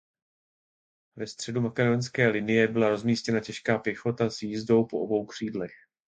Ve středu makedonské linie byla rozmístěna těžká pěchota s jízdou po obou křídlech.